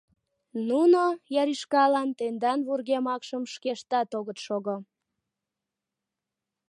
Нуно, яришкалан, тендан вургем акшым шкештат огыт шого.